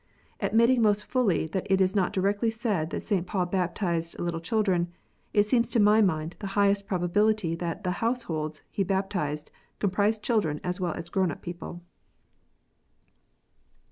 Admitting most fully that it is not directly said that St. Paul baptized little children, it seems to my mind the highest probability that the "house holds" he baptized comprised children as well as grown up people.